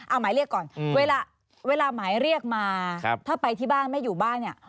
เอาหมายเรียกก่อนเวลาหมายเรียกมาถ้าไปที่บ้านไม่อยู่บ้านเนี่ย